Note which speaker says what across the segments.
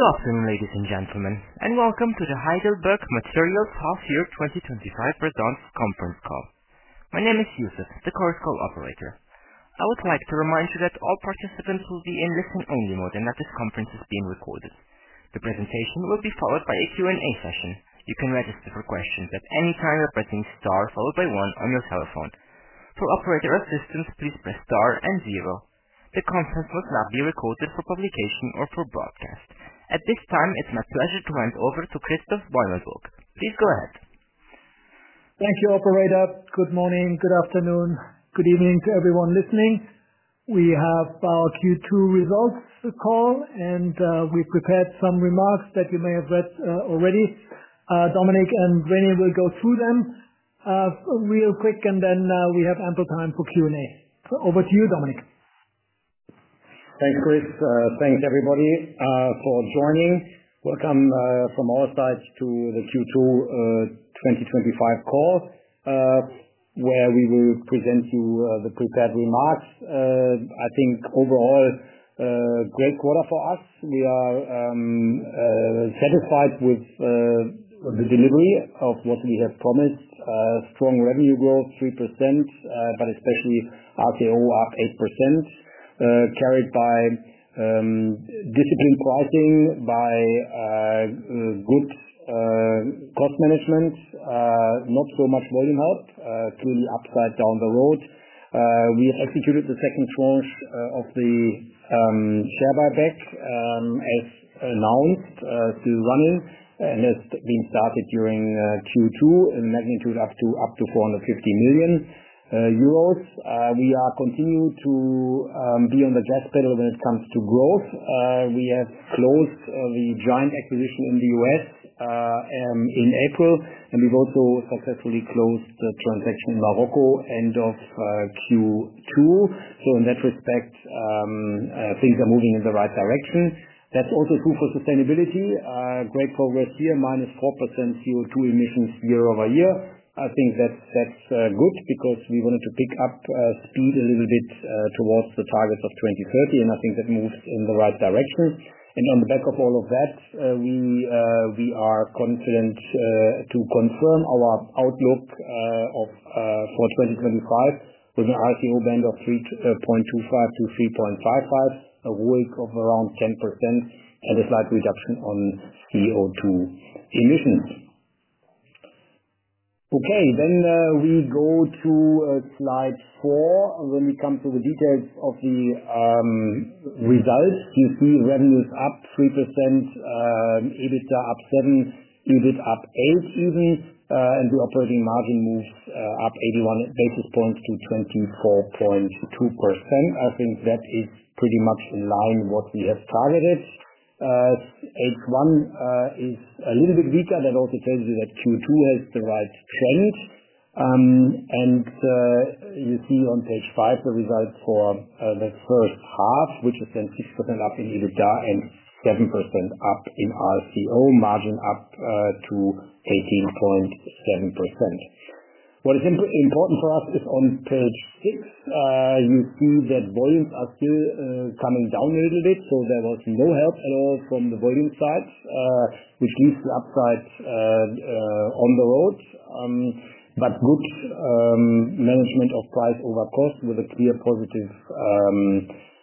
Speaker 1: Good afternoon, ladies and gentlemen, and welcome to the Heidelberg Materials Half-Year 2025 Results Conference Call. My name is Yusuf, the call operator. I would like to remind you that all participants will be in listen-only mode, and that this conference is being recorded. The presentation will be followed by a Q&A session. You can register for questions at any time by pressing star one on your cell phone. For operator assistance, please press star and zero. The conference will not be recorded for publication or for broadcast. At this time, it's my pleasure to hand over to Christoph Beumelburg. Please go ahead.
Speaker 2: Thank you, operator. Good morning, good afternoon, good evening to everyone listening. We have our Q2 results call, and we've prepared some remarks that you may have read already. Dominik and René will go through them real quick, and then we have ample time for Q&A. Over to you, Dominik.
Speaker 3: Thanks, Chris. Thanks, everybody, for joining. Welcome from our side to the Q2 2025 call, where we will present you the prepared remarks. I think overall, great quarter for us. We are satisfied with the delivery of what we have promised. Strong revenue growth, 3%, but especially RCO up 8%, carried by disciplined pricing, by good cost management. Not so much volume help, clearly upside down the road. We have executed the second tranche of the share buyback as announced, to run it, and has been started during Q2 in magnitude up to 450 million euros. We continue to be on the gas pedal when it comes to growth. We have closed the Giant Cement acquisition in the U.S. in April, and we've also successfully closed the transaction in Morocco end of Q2. In that respect, things are moving in the right direction. That's also true for sustainability. Great progress here, minus 4% CO₂ emissions year over year. I think that's good because we wanted to pick up speed a little bit towards the targets of 2030, and I think that moves in the right direction. On the back of all of that, we are confident to confirm our outlook for 2025 with an RCO band of 3.25 to 3.55, a ROIC of around 10%, and a slight reduction on CO₂ emissions. Okay, we go to slide 4. When we come to the details of the results, you see revenues up 3%, EBITDA up 7%, EBIT up 8% even, and the operating margin moves up 81 basis points to 24.2%. I think that is pretty much in line with what we have targeted. H1 is a little bit weaker. That also tells you that Q2 has the right trend. You see on page 5 the results for the first half, which is then 6% up in EBITDA and 7% up in RCO, margin up to 18.7%. What is important for us is on page 6. You see that volumes are still coming down a little bit, so there was no help at all from the volume side, which leaves the upside on the road. Good management of price over cost with a clear positive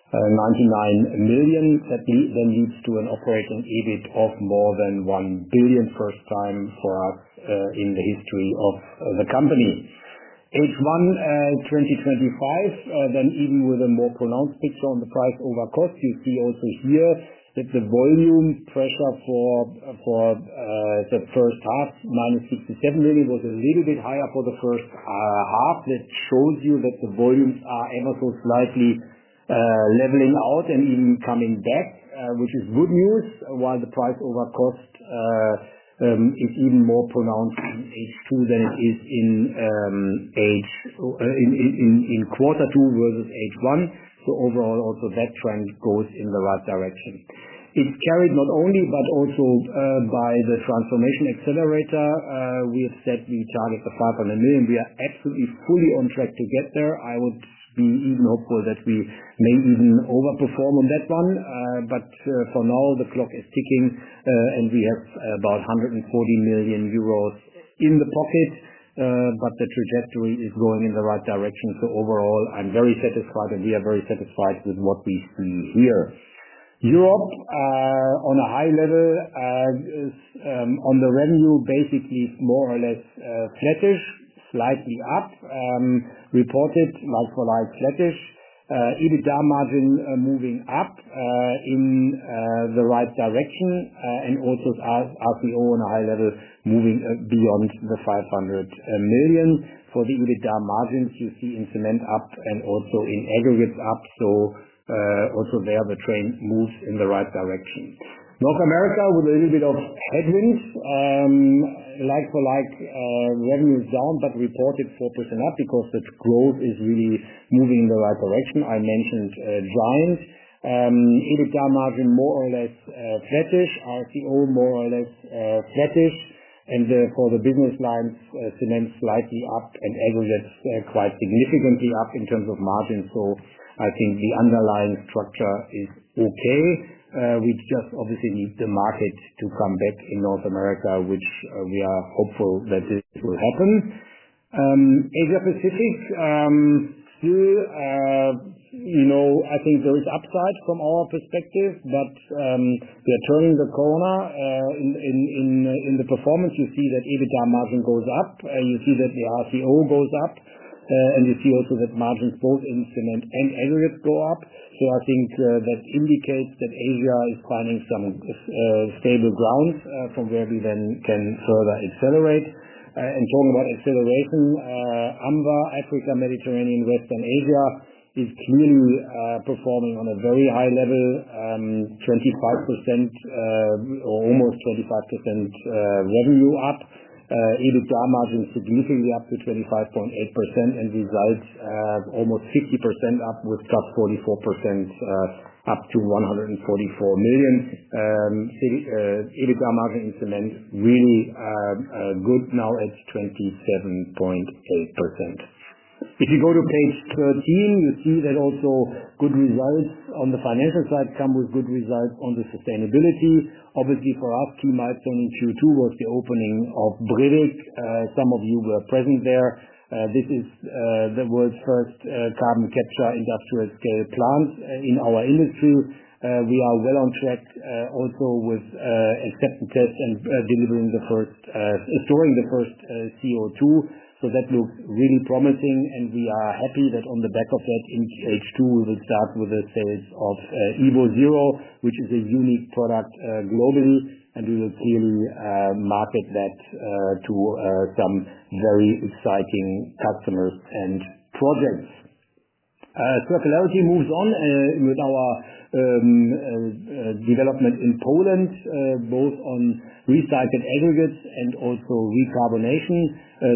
Speaker 3: 99 million that then leads to an operating EBIT of more than 1 billion, first time for us in the history of the company. H1 2025, then even with a more pronounced picture on the price over cost, you see also here that the volume pressure for the first half, minus 67 million, was a little bit higher for the first half. That shows you that the volumes are ever so slightly leveling out and even coming back, which is good news, while the price over cost is even more pronounced in H2 than it is in quarter 2 versus H1. Overall, also that trend goes in the right direction. It's carried not only, but also by the Transformation Accelerator program. We have said we target the 500 million. We are absolutely fully on track to get there. I would be even hopeful that we may even overperform on that one. For now, the clock is ticking, and we have about 140 million euros in the pocket, but the trajectory is going in the right direction. Overall, I'm very satisfied, and we are very satisfied with what we see here. Europe, on a high level. On the revenue, basically more or less flattish, slightly up. Reported like for like flattish. EBITDA margin moving up in the right direction, and also RCO on a high level moving beyond the 500 million. For the EBITDA margins, you see increment up and also in aggregates up. There the trend moves in the right direction. North America with a little bit of headwind. Like for like revenues down, but reported 4% up because the growth is really moving in the right direction. I mentioned Giant Cement. EBITDA margin more or less flattish, RCO more or less flattish, and for the business lines, cement slightly up and aggregates quite significantly up in terms of margin. I think the underlying structure is okay. We just obviously need the market to come back in North America, which we are hopeful that this will happen. Asia Pacific, still, I think there is upside from our perspective, but we are turning the corner. In the performance, you see that EBITDA margin goes up. You see that the RCO goes up. You see also that margins both in cement and aggregates go up. I think that indicates that Asia is finding some stable ground from where we then can further accelerate. Talking about acceleration, Africa-Mediterranean-Western Asia is clearly performing on a very high level. 25%, or almost 25%, revenue up. EBITDA margin significantly up to 25.8%, and results almost 50% up with just 44% up to 144 million. EBITDA margin in cement really good now at 27.8%. If you go to page 13, you see that also good results on the financial side come with good results on the sustainability. Obviously, for us, key milestone in Q2 was the opening of Brevik. Some of you were present there. This is the world's first carbon capture industrial scale plant in our industry. We are well on track also with acceptance tests and delivering the first, storing the first CO₂. That looks really promising, and we are happy that on the back of that, in H2, we will start with the sales of evoZero cement, which is a unique product globally, and we will clearly market that to some very exciting customers and projects. Circularity moves on with our development in Poland, both on recycled aggregates and also recarbonation.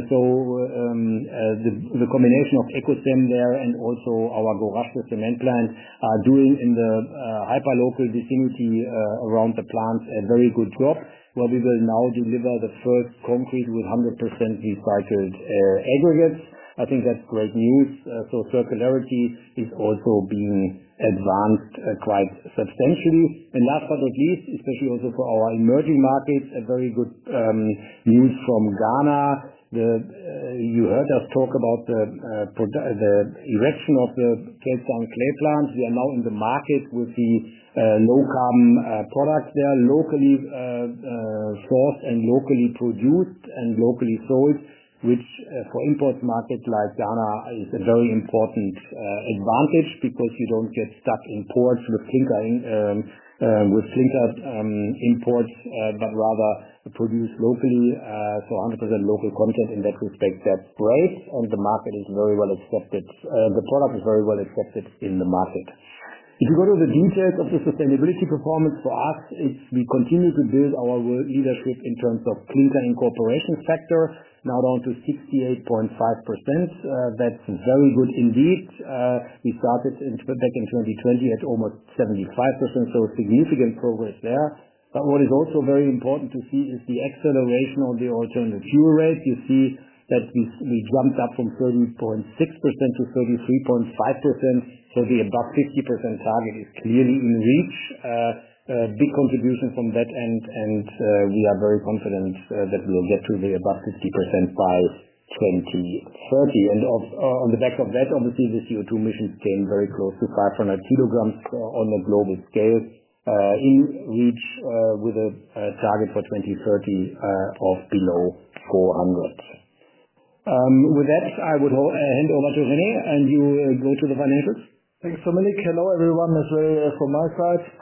Speaker 3: The combination of EcoCem there and also our Goraszków cement plant are doing in the hyperlocal vicinity around the plant a very good job, where we will now deliver the first concrete with 100% recycled aggregates. I think that's great news. Circularity is also being advanced quite substantially. Last but not least, especially also for our emerging markets, very good news from Ghana. You heard us talk about the erection of the Cape Town clay plant. We are now in the market with the low-carbon product there, locally sourced and locally produced and locally sold, which for import markets like Ghana is a very important advantage because you don't get stuck in ports with clinker imports, but rather produce locally. 100% local content in that respect, that's great, and the market is very well accepted. The product is very well accepted in the market. If you go to the details of the sustainability performance for us, we continue to build our world leadership in terms of clinker incorporation factor, now down to 68.5%. That's very good indeed. We started back in 2020 at almost 75%, so significant progress there. What is also very important to see is the acceleration of the alternative fuel rate. You see that we jumped up from 30.6% to 33.5%. The above 50% target is clearly in reach. Big contribution from that end, and we are very confident that we will get to the above 50% by 2030. On the back of that, obviously, the CO₂ emissions came very close to 500 kg on a global scale, in reach with a target for 2030 of below 400 kg. With that, I would hand over to René, and you go to the financials.
Speaker 4: Thanks, Dominik. Hello everyone, as well from my side.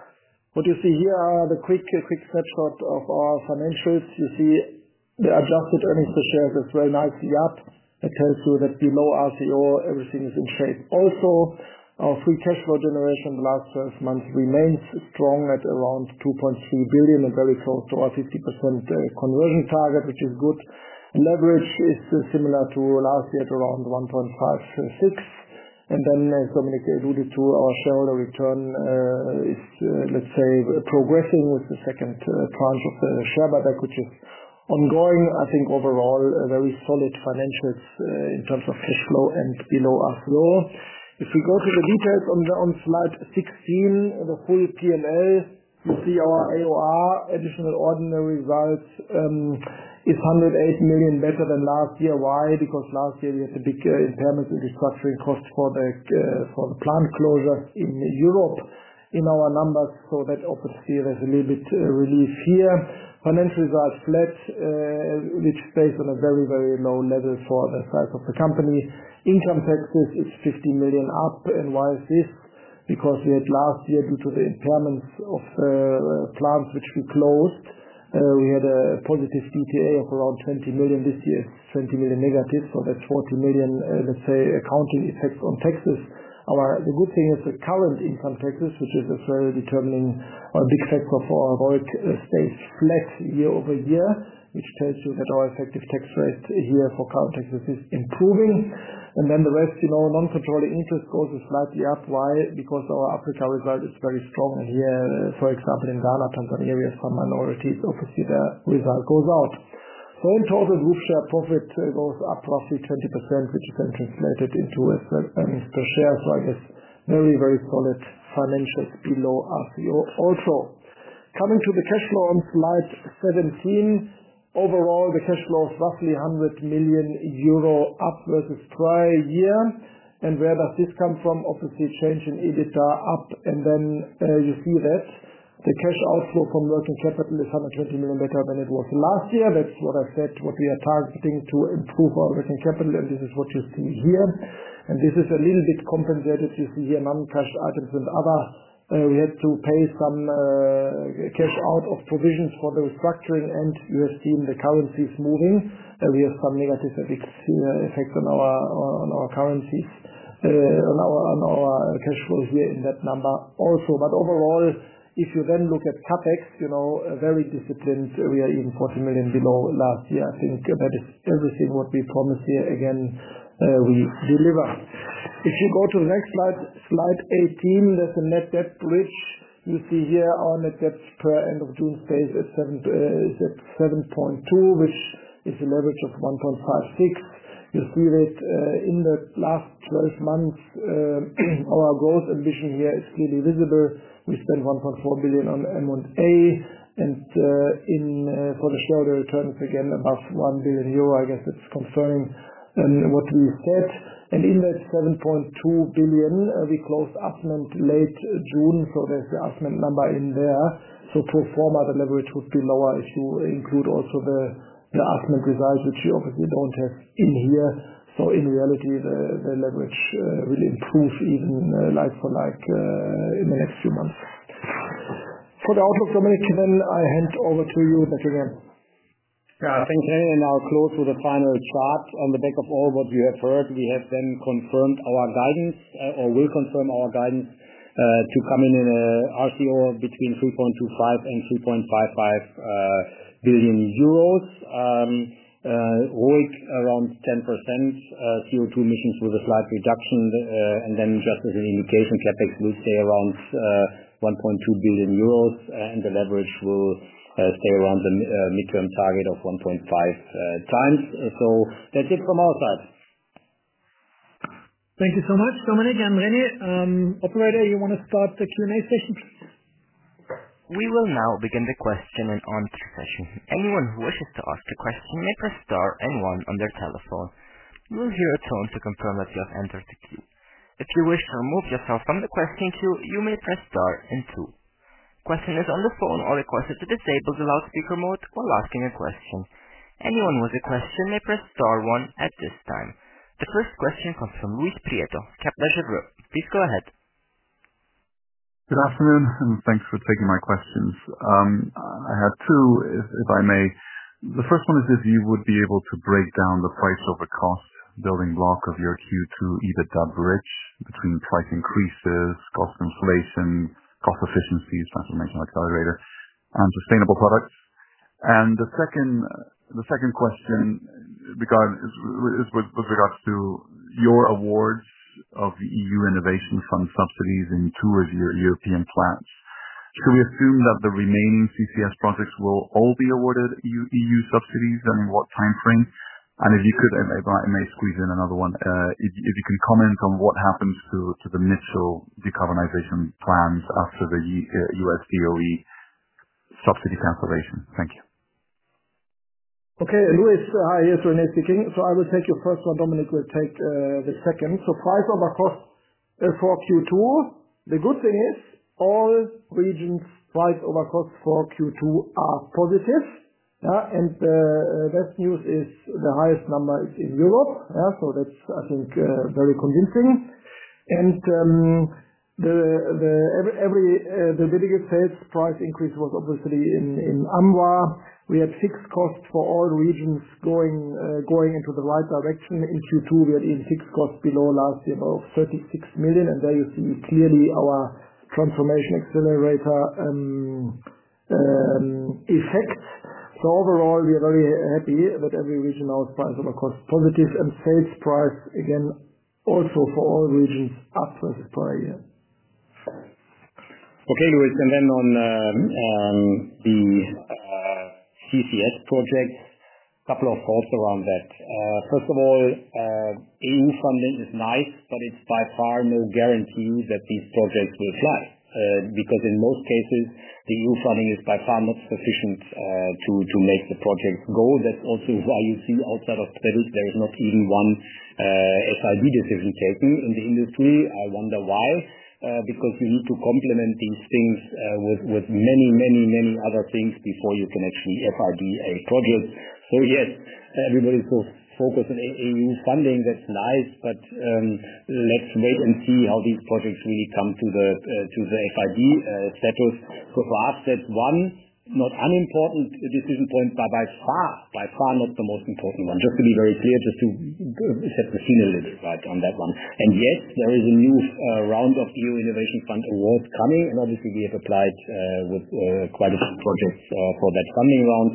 Speaker 4: What you see here are the quick snapshot of our financials. You see the adjusted earnings per share is very nicely up. It tells you that below RCO, everything is in shape. Also, our free cash flow generation in the last 12 months remains strong at around 2.3 billion and very close to our 50% conversion target, which is good. Leverage is similar to last year at around 1.56. As Dominik alluded to, our shareholder return is, let's say, progressing with the second tranche of the share buyback, which is ongoing. I think overall, very solid financials in terms of cash flow and below RCO. If we go to the details on slide 16, the full P&L, you see our AOR, additional ordinary results, is 108 million better than last year. Why? Because last year we had the big impairments in restructuring costs for the plant closure in Europe in our numbers. That obviously there's a little bit of relief here. Financial results flat, which is based on a very, very low level for the size of the company. Income taxes is 50 million up. Why is this? Because we had last year, due to the impairments of plants which we closed, we had a positive DTA of around 20 million. This year it's 20 million negative. That's 40 million, let's say, accounting effects on taxes. The good thing is the current income taxes, which is a very determining or a big factor for ROIC, stays flat year over year, which tells you that our effective tax rate here for current taxes is improving. The rest, you know, non-controlling interest growth is slightly up. Why? Because our Africa result is very strong. Here, for example, in Ghana, Tanzania, we have some minorities overseas that result goes out. In total, group share profit goes up roughly 20%, which is then translated into earnings per share. I guess very, very solid financials below RCO also. Coming to the cash flow on slide 17. Overall, the cash flow is roughly 100 million euro up versus prior year. Where does this come from? Obviously, change in EBITDA up. You see that the cash outflow from working capital is 120 million better than it was last year. That's what I said, what we are targeting to improve our working capital. This is what you see here. This is a little bit compensated. You see here non-cash items and other. We had to pay some cash out of provisions for the restructuring. You have seen the currencies moving. We have some negative effects on our currencies on our cash flow here in that number also. Overall, if you then look at CapEx, you know, very disciplined, we are even 40 million below last year. I think that is everything what we promise here. Again, we deliver. If you go to the next slide, slide 18, there's a net debt bridge. You see here our net debt per end of June stays at 7.2 billion, which is a leverage of 1.56. You see that in the last 12 months our growth ambition here is clearly visible. We spent 1.4 billion on M&A. For the shareholder returns, again, above 1 billion euro, I guess it's confirming what we said. In that 7.2 billion, we closed Asment Témara late June, so there's the Asment Témara number in there. Pro forma, the leverage would be lower if you include also the Asment Témara results, which you obviously don't have in here. In reality, the leverage will improve even like for like in the next few months. For the outlook, Dominik, then I hand over to you back again.
Speaker 3: Yeah, thank you, René. I'll close with a final chart. On the back of all what you have heard, we have then confirmed our guidance or will confirm our guidance to come in in RCO between 3.25 billion and 3.55 billion euros. ROIC around 10%, CO₂ emissions with a slight reduction. Just as an indication, CapEx will stay around 1.2 billion euros, and the leverage will stay around the midterm target of 1.5 times. That's it from our side.
Speaker 2: Thank you so much, Dominik and René. Operator, you want to start the Q&A session, please?
Speaker 1: We will now begin the question and answer session. Anyone who wishes to ask a question may press star and one on their telephone. You will hear a tone to confirm that you have entered the queue. If you wish to remove yourself from the question queue, you may press star and two. Questioners on the phone are requested to disable the loudspeaker mode while asking a question. Anyone with a question may press star one at this time. The first question comes from Luis Prieto, Kepler Cheuvreux. Please go ahead.
Speaker 5: Good afternoon, and thanks for taking my questions. I have two, if I may. The first one is if you would be able to break down the price over cost building block of your Q2 EBITDA bridge between price increases, cost inflation, cost efficiencies, Transformation Accelerator, and sustainable products. The second question, with regards to your awards of the EU Innovation Fund subsidies in two of your European plants. Should we assume that the remaining CCS projects will all be awarded EU subsidies and in what timeframe? If you could, I may squeeze in another one. If you can comment on what happens to the Mitchell Decarbonization plans after the U.S. DOE subsidy cancellation. Thank you.
Speaker 4: Okay, Luis, hi, it's René speaking. I will take your first one, Dominik will take the second. Price over cost for Q2, the good thing is all regions' price over cost for Q2 are positive. The best news is the highest number is in Europe. That's, I think, very convincing. Dominik said price increase was obviously in AMWA. We had fixed costs for all regions going into the right direction. In Q2, we had even fixed costs below last year of 36 million. There you see clearly our Transformation Accelerator effect. Overall, we are very happy that every region now has price over cost positive and sales price, again, also for all regions up versus prior year.
Speaker 3: Okay, Luis, and then on the CCS projects, a couple of thoughts around that. First of all, EU funding is nice, but it's by far no guarantee that these projects will fly, because in most cases, the EU funding is by far not sufficient to make the projects go. That's also why you see outside of Credits, there is not even one FID decision taken in the industry. I wonder why, because you need to complement these things with many, many, many other things before you can actually FID a project. Yes, everybody's so focused on EU funding. That's nice, but let's wait and see how these projects really come to the FID status. For us, that's one, not an important decision point, but by far, by far not the most important one. Just to be very clear, just to set the scene a little bit right on that one. Yes, there is a new round of EU Innovation Fund awards coming, and obviously, we have applied with quite a few projects for that funding round.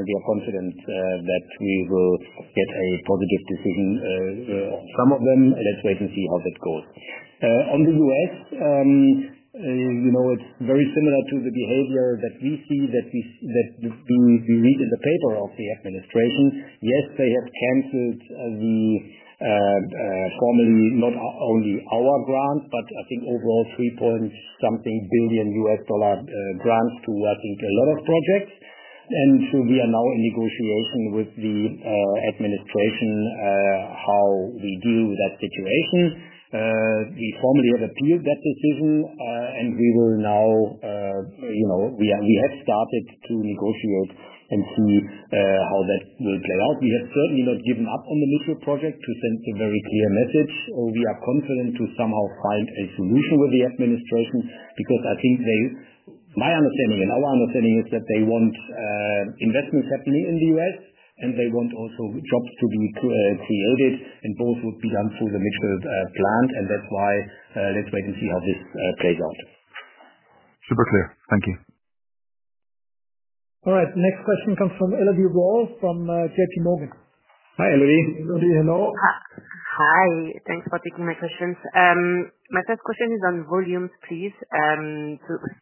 Speaker 3: We are confident that we will get a positive decision on some of them. Let's wait and see how that goes. On the U.S., it's very similar to the behavior that we see, that we read in the paper of the administration. Yes, they have canceled the, formally not only our grant, but I think overall $3 point something billion grants to, I think, a lot of projects. We are now in negotiation with the administration how we deal with that situation. We formally have appealed that decision, and we will now, you know, we have started to negotiate and see how that will play out. We have certainly not given up on the Mitchell project to send a very clear message. We are confident to somehow find a solution with the administration because I think they, my understanding and our understanding is that they want investments happening in the U.S., and they want also jobs to be created, and both would be done through the Mitchell plant. That's why let's wait and see how this plays out.
Speaker 5: Super clear. Thank you.
Speaker 2: All right. Next question comes from Elodie Rall from JPMorgan.
Speaker 3: Hi, Elodie.
Speaker 4: Elodie, hello.
Speaker 6: Hi. Thanks for taking my questions. My first question is on volumes, please.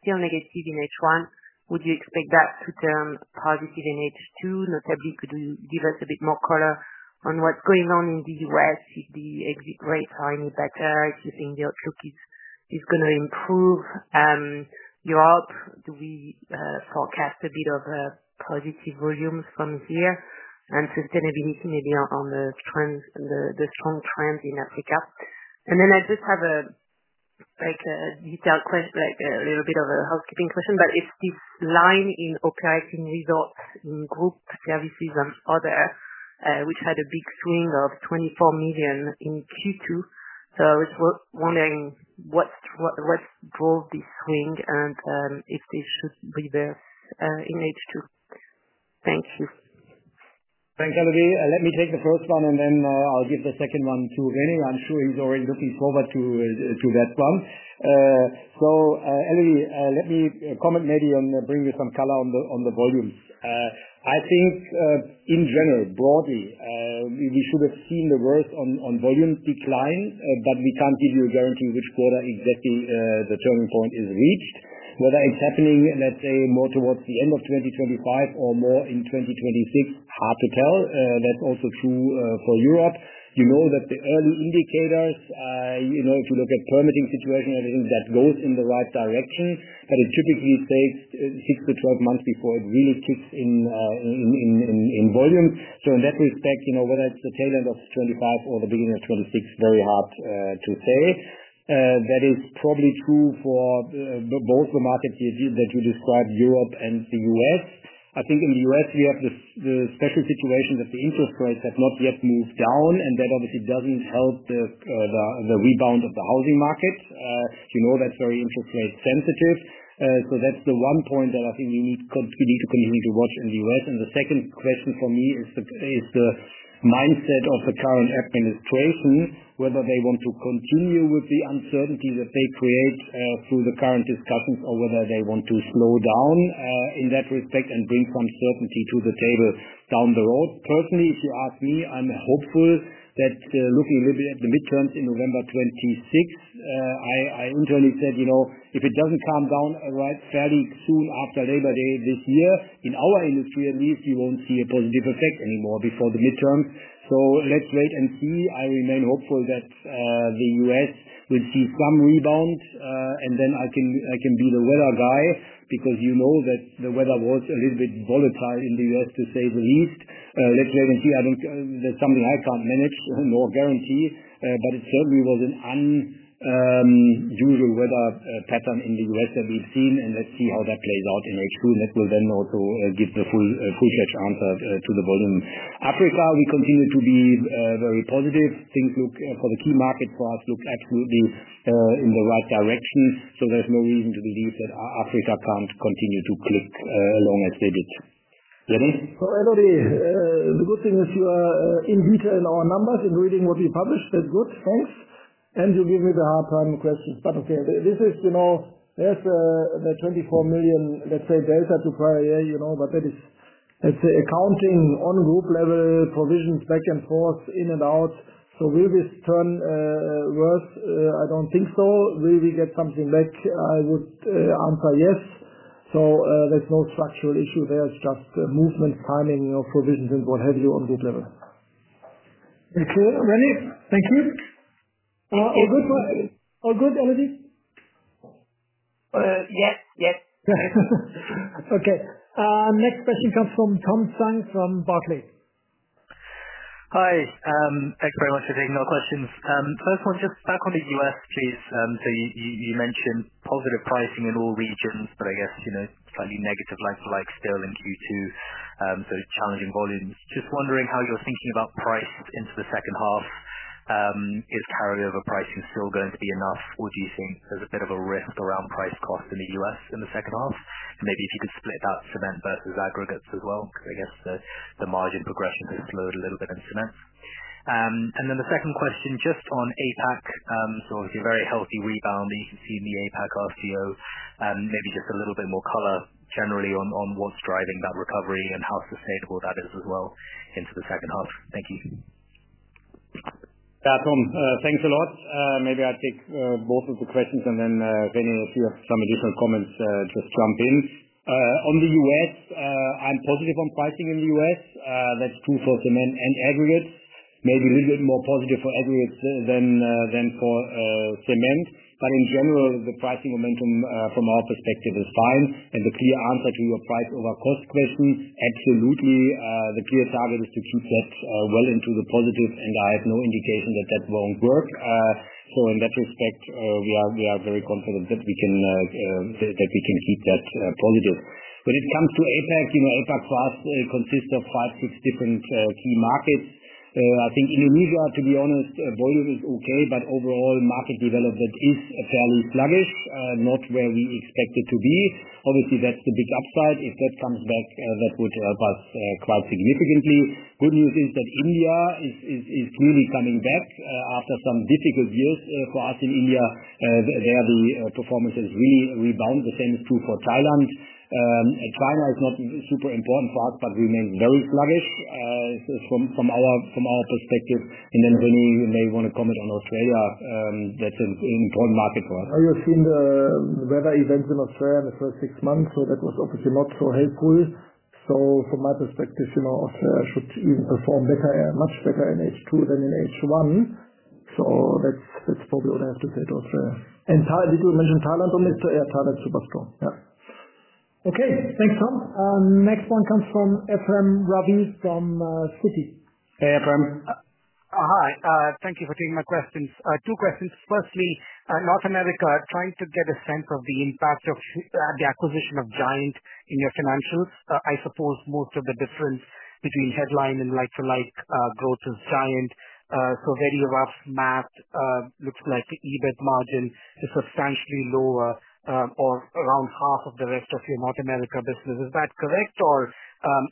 Speaker 6: Still negative in H1. Would you expect that to turn positive in H2? Notably, could you give us a bit more color on what's going on in the US? If the exit rates are any better, if you think the outlook is going to improve. Europe? Do we forecast a bit of positive volumes from here? Sustainability maybe on the strong trends in Africa. I just have a detailed question, like a little bit of a housekeeping question, but it's this line in operating results in group services and other, which had a big swing of 24 million in Q2. I was wondering what drove this swing and if they should reverse in H2. Thank you.
Speaker 3: Thanks, Elodie. Let me take the first one, and then I'll give the second one to René. I'm sure he's already looking forward to that one. Elodie, let me comment maybe and bring you some color on the volumes. In general, broadly, we should have seen the worst on volume decline, but we can't give you a guarantee which quarter exactly the turning point is reached. Whether it's happening, let's say, more towards the end of 2025 or more in 2026, hard to tell. That's also true for Europe. You know that the early indicators, if you look at permitting situation, everything that goes in the right direction, but it typically takes 6 to 12 months before it really kicks in. In volumes. In that respect, whether it's the tail end of 2025 or the beginning of 2026, very hard to say. That is probably true for both the markets that you described, Europe and the U.S. I think in the U.S., we have the special situation that the interest rates have not yet moved down, and that obviously doesn't help the rebound of the housing market. You know that's very interest rate sensitive. That's the one point that I think we need to continue to watch in the U.S. The second question for me is the mindset of the current administration, whether they want to continue with the uncertainty that they create through the current discussions or whether they want to slow down in that respect and bring some certainty to the table down the road. Personally, if you ask me, I'm hopeful that looking a little bit at the midterms in November 2026. I internally said, if it doesn't calm down fairly soon after Labor Day this year, in our industry at least, you won't see a positive effect anymore before the midterms. Let's wait and see. I remain hopeful that the U.S. will see some rebound, and then I can be the weather guy because you know that the weather was a little bit volatile in the U.S., to say the least. Let's wait and see. I don't know. That's something I can't manage nor guarantee, but it certainly was an unusual weather pattern in the U.S. that we've seen, and let's see how that plays out in H2, and that will then also give the full-fledged answer to the volume. Africa, we continue to be very positive. Things look for the key markets for us look absolutely in the right direction. There's no reason to believe that Africa can't continue to click along as they did. René?
Speaker 4: Elodie, the good thing is you are in detail in our numbers and reading what we published. That's good. Thanks. You give me the hard-time questions. This is, you know, there's the 24 million, let's say, delta to prior year, you know, but that is, let's say, accounting on group level, provisions back and forth, in and out. Will this turn worse? I don't think so. Will we get something back? I would answer yes. There's no structural issue there. It's just movement, timing of provisions and what have you on group level. Okay, René. Thank you. All good, Elodie?
Speaker 6: Yes, yes.
Speaker 2: Okay. Next question comes from Tom Zhang from Barclays.
Speaker 7: Hi. Thanks very much for taking our questions. First one, just back on the U.S., please. You mentioned positive pricing in all regions, but I guess, you know, slightly negative like for like still in Q2, so challenging volumes. Just wondering how you're thinking about price into the second half. Is carryover pricing still going to be enough, or do you think there's a bit of a risk around price cost in the U.S. in the second half? Maybe if you could split that cement versus aggregates as well, because I guess the margin progression has slowed a little bit in cement. The second question, just on APAC, obviously a very healthy rebound that you can see in the APAC RCO, maybe just a little bit more color generally on what's driving that recovery and how sustainable that is as well into the second half. Thank you.
Speaker 3: Yeah, Tom, thanks a lot. Maybe I'll take both of the questions, and then René, if you have some additional comments, just jump in. On the U.S., I'm positive on pricing in the U.S. That's true for cement and aggregates. Maybe a little bit more positive for aggregates than for cement. In general, the pricing momentum from our perspective is fine. The clear answer to your price over cost question, absolutely, the clear target is to keep that well into the positive, and I have no indication that that won't work. In that respect, we are very confident that we can keep that positive. When it comes to APAC, you know, APAC for us consists of five, six different key markets. I think Indonesia, to be honest, volume is okay, but overall market development is fairly sluggish, not where we expect it to be. Obviously, that's the big upside. If that comes back, that would help us quite significantly. Good news is that India is clearly coming back after some difficult years for us in India. There, the performance has really rebound. The same is true for Thailand. China is not super important for us, but remains very sluggish from our perspective. Then René, you may want to comment on Australia. That's an important market for us.
Speaker 4: Oh, you've seen the weather events in Australia in the first six months, so that was obviously not so helpful. From my perspective, you know, Australia should even perform better, much better in H2 than in H1. That's probably what I have to say to Australia. Did you mention Thailand, Dominik? Yeah, Thailand is super strong. Yeah.
Speaker 2: Okay, thanks, Tom. Next one comes from Ephrem Ravi from Citi.
Speaker 3: Hey, Ephrem.
Speaker 8: Hi. Thank you for taking my questions. Two questions. Firstly, North America, trying to get a sense of the impact of the acquisition of Giant in your financials. I suppose most of the difference between headline and like-for-like growth is Giant. Very rough math looks like the EBIT margin is substantially lower or around half of the rest of your North America business. Is that correct?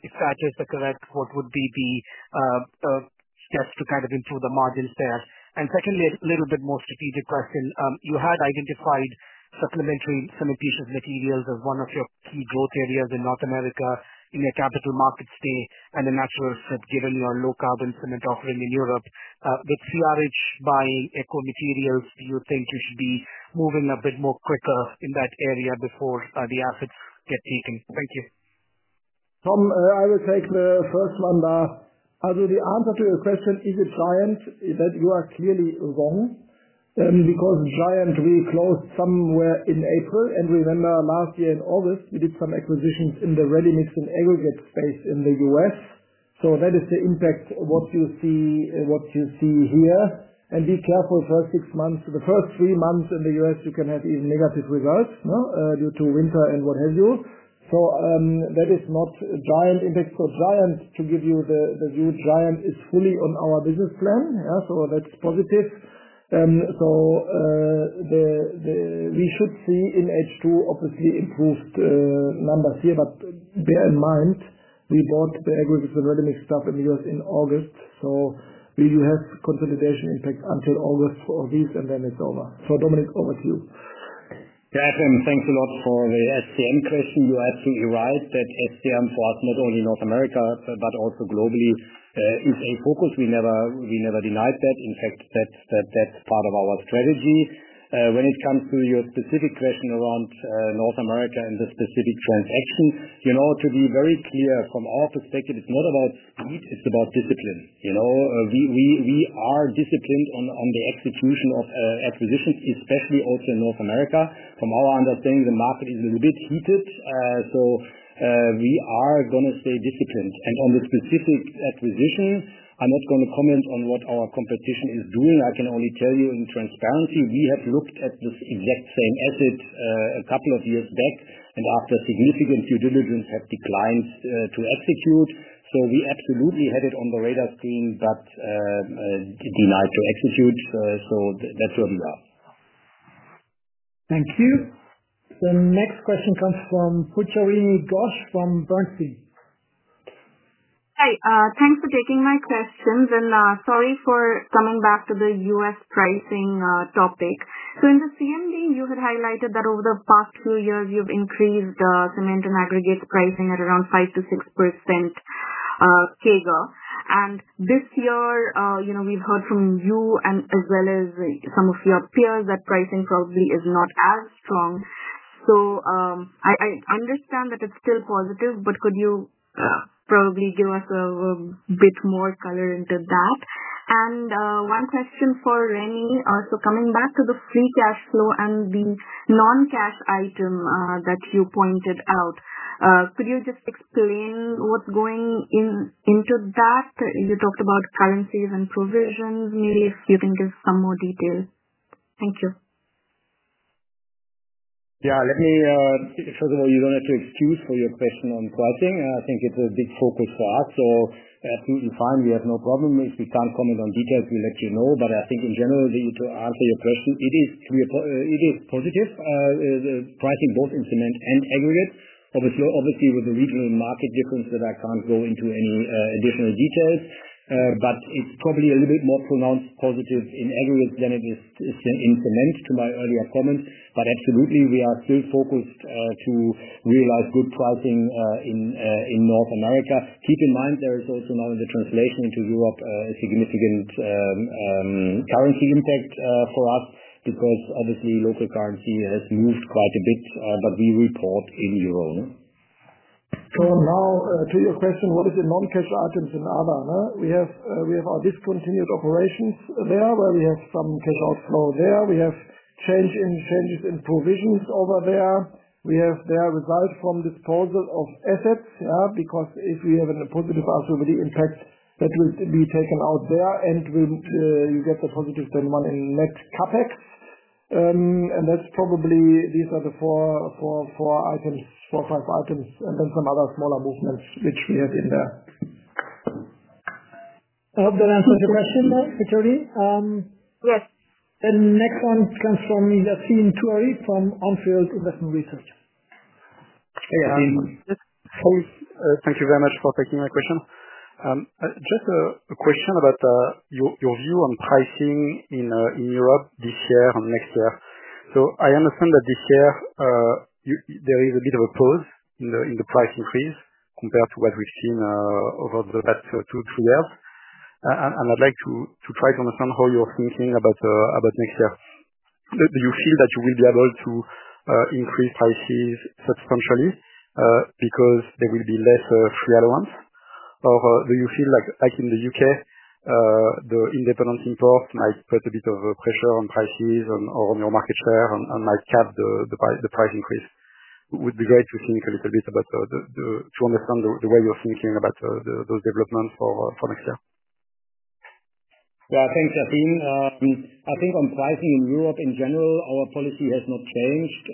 Speaker 8: If that is correct, what would be the steps to kind of improve the margins there? Secondly, a little bit more strategic question. You had identified supplementary cementitious materials as one of your key growth areas in North America in your capital markets day and the natural given your low carbon cement offering in Europe. With CRH buying eco-materials, do you think you should be moving a bit more quickly in that area before the assets get taken? Thank you.
Speaker 4: Tom, I will take the first one there. I'll do the answer to your question. Is it Giant? You are clearly wrong. Because Giant really closed somewhere in April. Remember, last year in August, we did some acquisitions in the ready-mix and aggregate space in the U.S. That is the impact, what you see here. Be careful first six months. The first three months in the U.S., you can have even negative results due to winter and what have you. That is not Giant index. Giant, to give you the view, Giant is fully on our business plan. That's positive. We should see in H2 obviously improved numbers here, but bear in mind we bought the aggregate and ready-mix stuff in the U.S. in August. You will have consolidation impact until August for these, and then it's over., over to you.
Speaker 3: Yeah, Ephrem, thanks a lot for the SCM question. You are absolutely right that SCM for us, not only North America, but also globally, is a focus. We never denied that. In fact, that's part of our strategy. When it comes to your specific question around North America and the specific transaction, to be very clear from our perspective, it's not about speed, it's about discipline. We are disciplined on the execution of acquisitions, especially also in North America. From our understanding, the market is a little bit heated. We are going to stay disciplined. On the specific acquisition, I'm not going to comment on what our competition is doing. I can only tell you in transparency, we have looked at this exact same asset a couple of years back, and after significant due diligence, have declined to execute. We absolutely had it on the radar screen, but denied to execute. That's where we are.
Speaker 2: Thank you. The next question comes from Pujarini Ghosh from AB Bernstein.
Speaker 9: Hi. Thanks for taking my questions. Sorry for coming back to the U.S. pricing topic. In the CMD, you had highlighted that over the past few years, you've increased cement and aggregate pricing at around 5% to 6%. This year, we've heard from you as well as some of your peers that pricing probably is not as strong. I understand that it's still positive, but could you probably give us a bit more color into that? One question for René. Coming back to the free cash flow and the non-cash item that you pointed out, could you just explain what's going into that? You talked about currencies and provisions. Maybe if you can give some more detail. Thank you.
Speaker 3: Let me, first of all, you don't have to excuse for your question on pricing. I think it's a big focus for us. Absolutely fine. We have no problem. If we can't comment on details, we'll let you know. I think in general, to answer your question, it is positive. Pricing both in cement and aggregate. Obviously, with the regional market difference that I can't go into any additional details, it's probably a little bit more pronounced positive in aggregate than it is in cement to my earlier comments. Absolutely, we are still focused to realize good pricing in North America. Keep in mind, there is also now in the translation into Europe a significant currency impact for us because obviously local currency has moved quite a bit, but we report in euro.
Speaker 4: Now to your question, what is the non-cash items in other? We have our discontinued operations there where we have some cash outflow. We have changes in provisions over there. We have a result from disposal of assets, yeah, because if we have a positive asset, the impact will be taken out there, and you get the positive one in net CapEx. That's probably these are the four, items, four, five items, and then some other smaller movements which we had in there. I hope that answers your question, Pujarini.
Speaker 9: Yes.
Speaker 2: The next one comes from Yassine Touahri from On Field Investment Research.
Speaker 3: Yassine.
Speaker 10: Thank you very much for taking my question. Just a question about your view on pricing in Europe this year and next year. I understand that this year there is a bit of a pause in the price increase compared to what we've seen over the past two or three years. I'd like to try to understand how you're thinking about next year. Do you feel that you will be able to increase prices substantially because there will be less free allowance? Do you feel like in the U.K. the independent import might put a bit of pressure on prices or on your market share and might cap the price increase? It would be great to think a little bit about to understand the way you're thinking about those developments for next year.
Speaker 3: Yeah, thanks, Yassine. I think on pricing in Europe in general, our policy has not changed.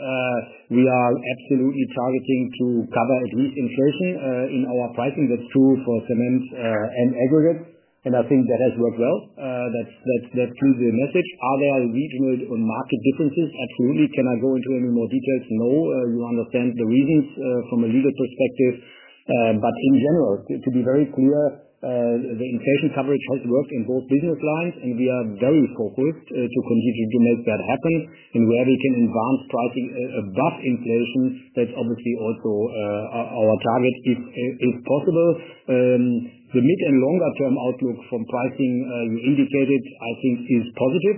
Speaker 3: We are absolutely targeting to cover at least inflation in our pricing. That's true for cement and aggregate. I think that has worked well. That's clearly the message. Are there regional and market differences? Absolutely. Can I go into any more details? No, you understand the reasons from a legal perspective. In general, to be very clear, the inflation coverage has worked in both business lines, and we are very focused to continue to make that happen and where we can advance pricing above inflation. That's obviously also our target if possible. The mid and longer-term outlook from pricing you indicated, I think, is positive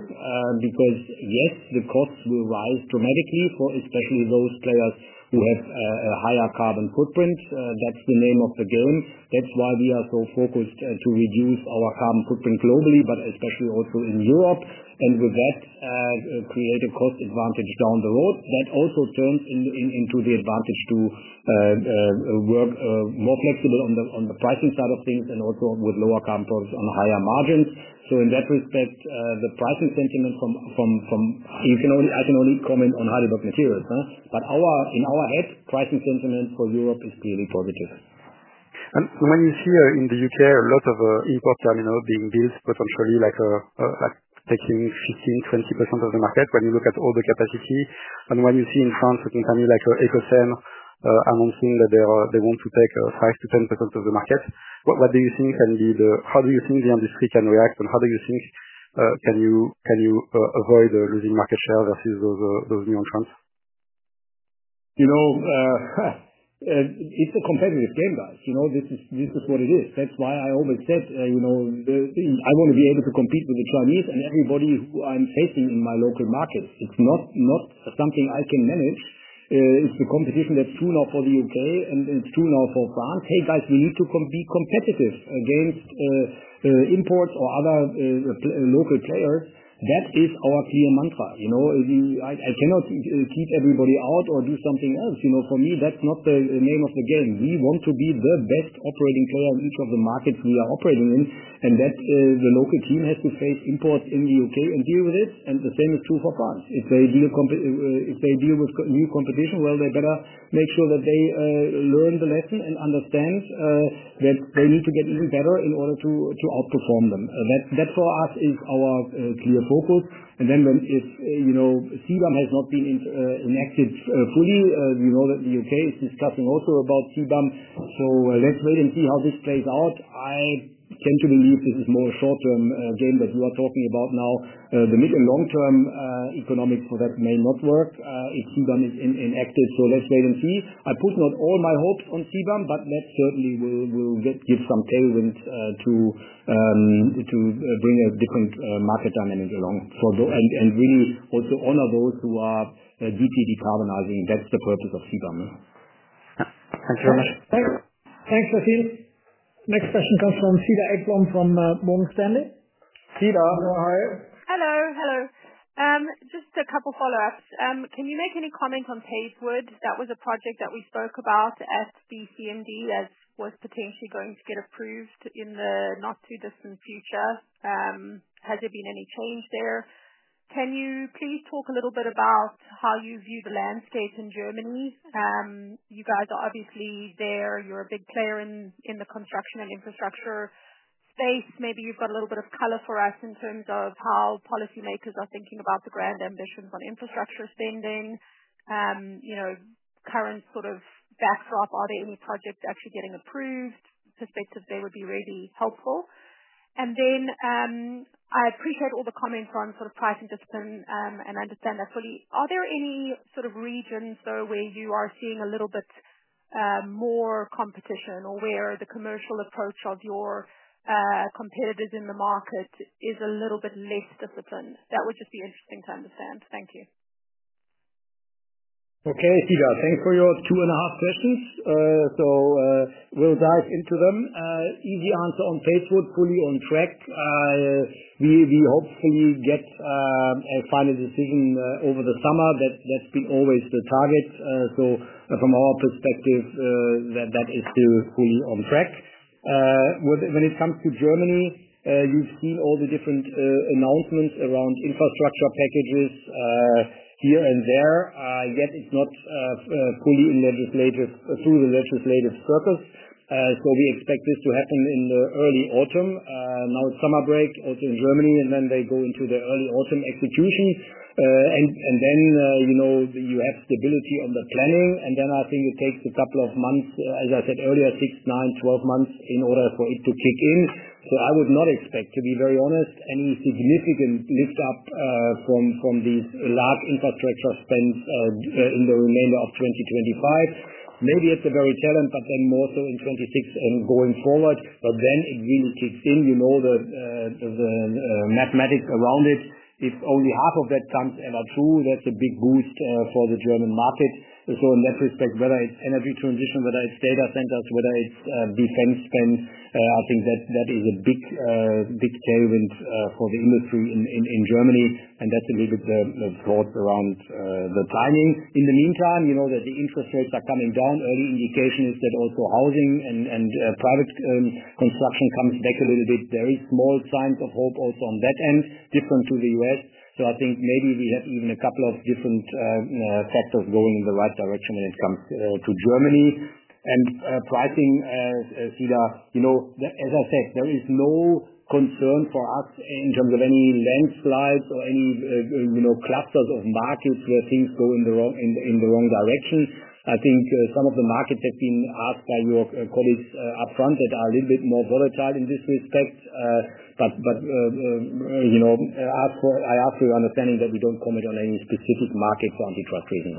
Speaker 3: because, yes, the costs will rise dramatically, especially those players who have a higher carbon footprint. That's the name of the game. That's why we are so focused to reduce our carbon footprint globally, but especially also in Europe. With that, create a cost advantage down the road. That also turns into the advantage to work more flexible on the pricing side of things and also with lower carbon profits on higher margins. In that respect, the pricing sentiment from, I can only comment on Heidelberg Materials, but in our head, pricing sentiment for Europe is clearly positive.
Speaker 10: When you see in the U.K. a lot of import terminals being built, potentially taking 15% to 20% of the market when you look at all the capacity, and when you see in France a company like EcoCem announcing that they want to take 5% to 10% of the market, what do you think can be the, how do you think the industry can react? How do you think you can avoid losing market share versus those new entrants?
Speaker 3: You know, it's a competitive game, guys. You know, this is what it is. That's why I always said, you know, I want to be able to compete with the Chinese and everybody who I'm facing in my local markets. It's not something I can manage. It's the competition that's true now for the UK, and it's true now for France. Hey, guys, we need to be competitive against imports or other local players. That is our clear mantra. You know, I cannot keep everybody out or do something else. For me, that's not the name of the game. We want to be the best operating player in each of the markets we are operating in, and the local team has to face imports in the UK and deal with it. The same is true for France. If they deal with new competition, they better make sure that they learn the lesson and understand that they need to get even better in order to outperform them. That for us is our clear focus. When it's, you know, CBAM has not been enacted fully. You know that the UK is discussing also about CBAM. Let's wait and see how this plays out. I tend to believe this is more a short-term game that you are talking about now. The mid and long-term economics for that may not work if CBAM is enacted. Let's wait and see. I put not all my hopes on CBAM, but that certainly will give some tailwind to bring a different market dynamic along and really also honor those who are deeply decarbonizing. That's the purpose of CBAM.
Speaker 11: Yeah, thank you very much.
Speaker 2: Thanks, Yassine. Next question comes from Cedar Ekblom from Morgan Stanley. Cedar. Hello.
Speaker 12: Hello. Just a couple of follow-ups. Can you make any comment on Pavewood? That was a project that we spoke about at CMD as was potentially going to get approved in the not-too-distant future. Has there been any change there? Can you please talk a little bit about how you view the landscape in Germany? You guys are obviously there. You're a big player in the construction and infrastructure space. Maybe you've got a little bit of color for us in terms of how policymakers are thinking about the grand ambitions on infrastructure spending. In the current sort of backdrop, are there any projects actually getting approved? Perspective, they would be really helpful. I appreciate all the comments on sort of pricing discipline and understand that fully. Are there any sort of regions though where you are seeing a little bit more competition or where the commercial approach of your competitors in the market is a little bit less disciplined? That would just be interesting to understand. Thank you.
Speaker 3: Okay, Cedar, thanks for your two and a half questions. We'll dive into them. Easy answer on Pavewood, fully on track. We hopefully get a final decision over the summer. That's been always the target. From our perspective, that is still fully on track. When it comes to Germany, you've seen all the different announcements around infrastructure packages here and there, yet it's not fully through the legislative circus. We expect this to happen in the early autumn. Now it's summer break also in Germany, and then they go into the early autumn execution. You have stability on the planning, and then I think it takes a couple of months, as I said earlier, six, nine, twelve months in order for it to kick in. I would not expect, to be very honest, any significant lift-up from these large infrastructure spends in the remainder of 2025. Maybe it's a very tail end, but then more so in 2026 and going forward. Then it really kicks in. You know the mathematics around it. If only half of that comes ever true, that's a big boost for the German market. In that respect, whether it's energy transition, whether it's data centers, whether it's defense spend, I think that is a big tailwind for the industry in Germany. That's a little bit the thought around the timing. In the meantime, you know that the interest rates are coming down. Early indication is that also housing and private construction comes back a little bit. There are small signs of hope also on that end, different to the U.S. I think maybe we have even a couple of different factors going in the right direction when it comes to Germany. And pricing, Cedar, you know, as I said, there is no concern for us in terms of any landslides or any clusters of markets where things go in the wrong direction. I think some of the markets have been asked by your colleagues upfront that are a little bit more volatile in this respect. I ask for your understanding that we don't comment on any specific markets for antitrust reasons.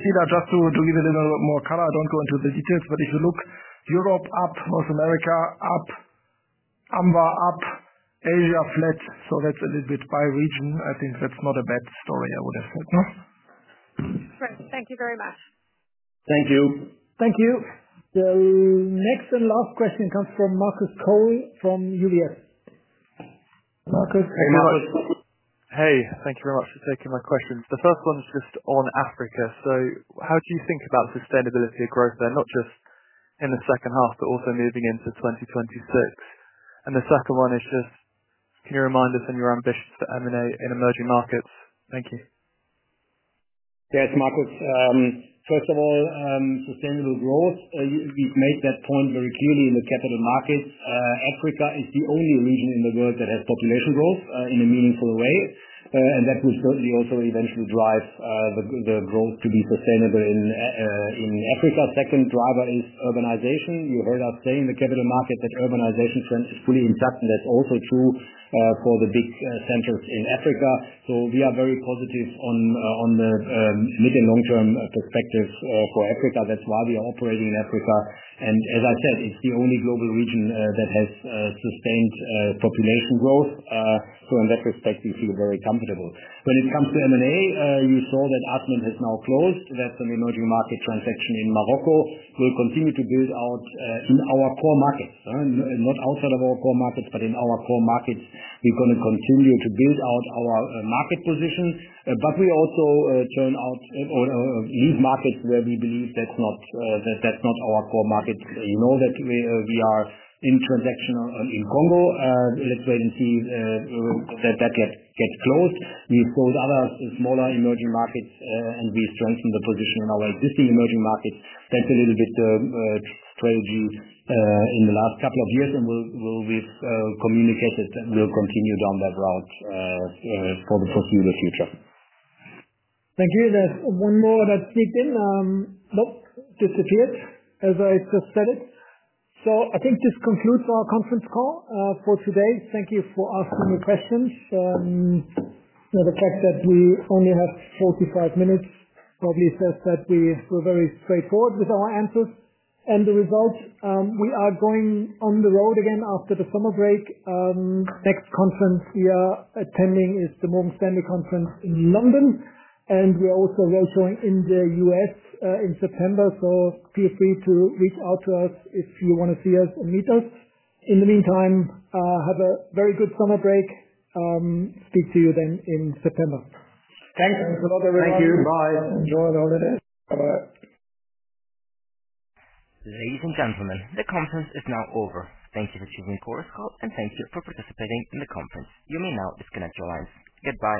Speaker 4: Cedar, just to give it a little bit more color, I don't go into the details, but if you look, Europe up, North America up, Africa-Mediterranean-Western Asia up, Asia flat. That's a little bit by region. I think that's not a bad story, I would have said.
Speaker 12: Great. Thank you very much.
Speaker 3: Thank you.
Speaker 2: Thank you. The next and last question comes from Marcus Cole from UBS Investment Bank. Marcus. Hey, Marcus.
Speaker 13: Thank you very much for taking my questions. The first one is just on Africa. How do you think about sustainability growth there, not just in the second half, but also moving into 2026? The second one is just, can you remind us on your ambitions to M&A in emerging markets? Thank you.
Speaker 3: Yes, Marcus. First of all, sustainable growth, we've made that point very clearly in the capital markets. Africa is the only region in the world that has population growth in a meaningful way. That will certainly also eventually drive the growth to be sustainable in Africa. The second driver is urbanization. You heard us say in the capital market that urbanization trend is fully intact, and that's also true for the big centers in Africa. We are very positive on the mid and long-term perspectives for Africa. That's why we are operating in Africa. As I said, it's the only global region that has sustained population growth. In that respect, we feel very comfortable. When it comes to M&A, you saw that Asment Témara has now closed. That's an emerging market transaction in Morocco. We'll continue to build out in our core markets, not outside of our core markets, but in our core markets. We're going to continue to build out our market position. We also turn out lead markets where we believe that's not our core market. You know that we are in transaction in Congo. Let's wait and see that that gets closed. We've sold other smaller emerging markets, and we strengthen the position in our existing emerging markets. That's a little bit strategy in the last couple of years, and we've communicated that we'll continue down that route for the foreseeable future.
Speaker 2: Thank you. There's one more that sneaked in. Nope, disappeared, as I just said it. I think this concludes our conference call for today. Thank you for asking your questions. The fact that we only have 45 minutes probably says that we were very straightforward with our answers and the results. We are going on the road again after the summer break. The next conference we are attending is the Morgan Stanley Conference in London. We're also roadshowing in the U.S. in September. Feel free to reach out to us if you want to see us and meet us. In the meantime, have a very good summer break. Speak to you then in September.
Speaker 3: Thanks. Thanks a lot, everyone. Thank you. Bye.
Speaker 4: Enjoy the holidays. Bye-bye.
Speaker 1: Ladies and gentlemen, the conference is now over. Thank you for choosing Chorus Call, and thank you for participating in the conference. You may now disconnect your lines. Goodbye.